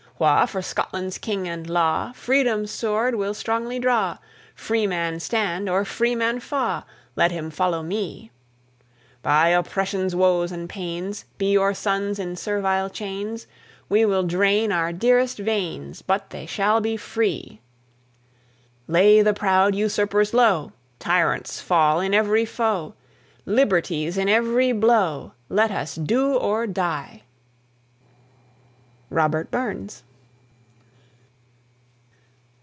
Wha for Scotland's King and law Freedom's sword will strongly draw, Freeman stand, or freeman fa'? Let him follow me! By oppression's woes and pains! By your sons in servile chains! We will drain our dearest veins, But they shall be free! Lay the proud usurpers low! Tyrants fall in every foe! Liberty's in every blow! Let us do, or die! ROBERT BURNS.